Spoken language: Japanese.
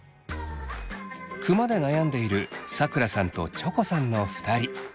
クマで悩んでいるさくらさんとチョコさんの２人。